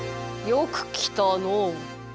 よくきたのう！